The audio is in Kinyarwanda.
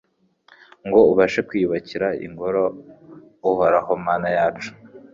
ngo ubashe kwiyubakira Ingoro Uhoraho Mana yacu